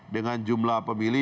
dengan jumlah pemilih